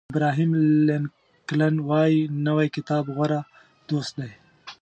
ابراهیم لینکلن وایي نوی کتاب غوره دوست دی.